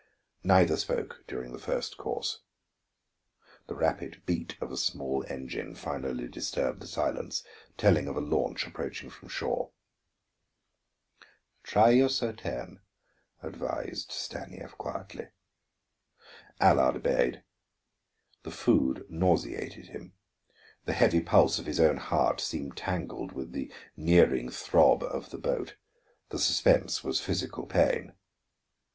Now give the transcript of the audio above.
Neither spoke during the first course. The rapid beat of a small engine finally disturbed the silence, telling of a launch approaching from shore. "Try your Sauterne," advised Stanief quietly. Allard obeyed. The food nauseated him, the heavy pulse of his own heart seemed tangled with the nearing throb of the boat; the suspense was physical pain.